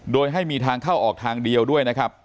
โดยให้มีทางเข้าออกทางเดียวด้วยนะครับ